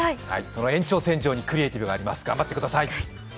その延長線上にクリエーティブがあります、頑張ってください